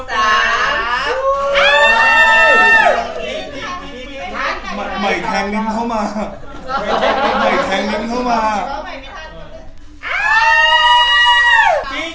ตั้งแต่เด็กก็ทำให้หนูนมหก